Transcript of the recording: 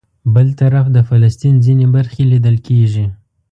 بل طرف د فلسطین ځینې برخې لیدل کېږي.